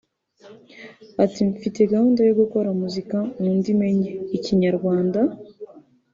Ati “Mfite gahunda yo gukora muzika mundimi enye (Ikinyarwanda